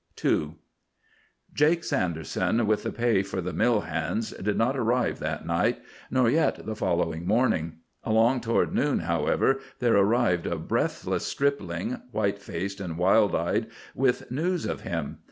II Jake Sanderson, with the pay for the mill hands, did not arrive that night, nor yet the following morning. Along toward noon, however, there arrived a breathless stripling, white faced and wild eyed, with news of him.